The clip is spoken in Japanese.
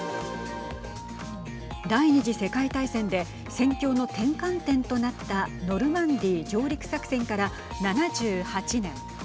第２次世界大戦で戦況の転換点となったノルマンディー上陸作戦から７８年。